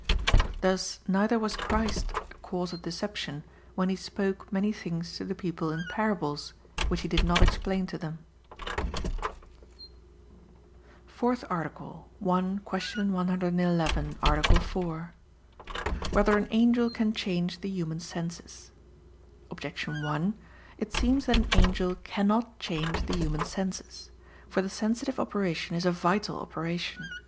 Thus neither was Christ a cause of deception when He spoke many things to the people in parables, which He did not explain to them. _______________________ FOURTH ARTICLE [I, Q. 111, Art. 4] Whether an Angel Can Change the Human Senses? Objection 1: It seems that an angel cannot change the human senses. For the sensitive operation is a vital operation.